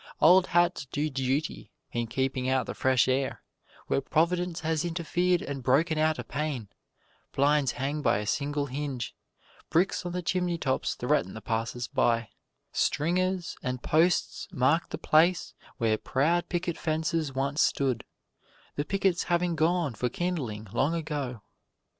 Old hats do duty in keeping out the fresh air where Providence has interfered and broken out a pane; blinds hang by a single hinge; bricks on the chimney tops threaten the passersby; stringers and posts mark the place where proud picket fences once stood the pickets having gone for kindling long ago.